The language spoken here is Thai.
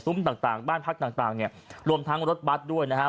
ต่างต่างบ้านพักต่างต่างเนี่ยรวมทั้งรถบัตรด้วยนะฮะ